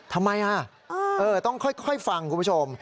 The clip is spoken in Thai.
ทำไมต้องค่อยฟังคุณผู้ชม